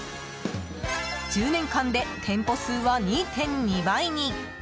１０年間で店舗数は２．２倍に。